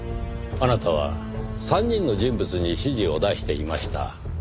あなたは３人の人物に指示を出していました。